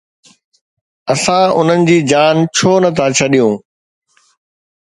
اسان انهن جي جان ڇو نه ٿا ڇڏيون؟